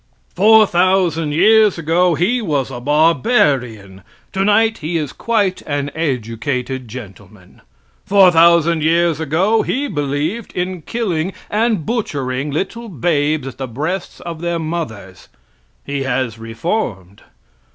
Four thousand years ago He was a barbarian; tonight He is quite an educated gentleman. Four thousand years ago He believed in killing and butchering little babes at the breasts of their mothers; He has reformed.